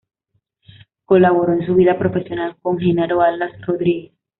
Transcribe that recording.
Colaboró en su vida profesional con Genaro Alas Rodríguez.